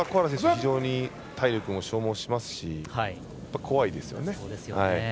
非常に体力も消耗しますし怖いですよね。